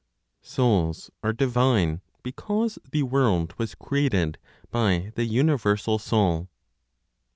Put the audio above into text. SOULS ARE DIVINE BECAUSE THE WORLD WAS CREATED BY THE UNIVERSAL SOUL.